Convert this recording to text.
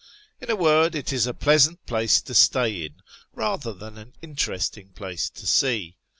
In a word, it is a pleasant place to stay in, rather than an interestinjj; place to see.